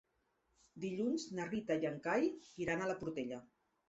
Dilluns na Rita i en Cai iran a la Portella.